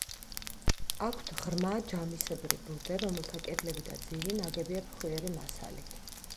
აქვთ ღრმა ჯამისებრი ბუდე, რომელთა კედლები და ძირი ნაგებია ფხვიერი მასალით.